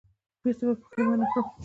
بېرته به یې پښېمان کړم